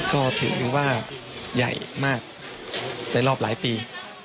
ก็ถือว่าใหญ่มากในรอบหลายปี